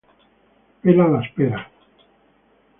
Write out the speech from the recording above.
Pelar las peras.